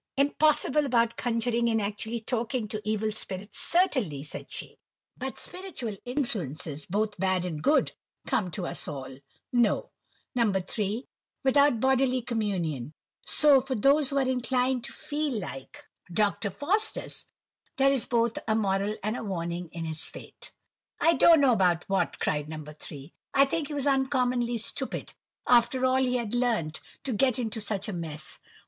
"Impossible about conjuring and actually talking to evil spirits, certainly," said she; "but spiritual influences, both bad and good, come to us all, No. 3, without bodily communion; so for those who are inclined to feel like Dr. Faustus, there is both a moral and a warning in his fate." "I don't know what about," cried No. 3. "I think he was uncommonly stupid, after all he had learnt, to get into such a mess.